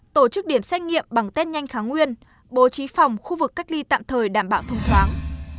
tổ chức điểm xét nghiệm bằng test nhanh kháng nguyên bố trí phòng khu vực cách ly tạm thời đảm bảo thông thoáng